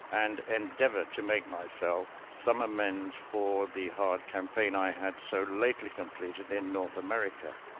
and endeavour to make myself some amends for the hard campaign I had so lately completed in North America.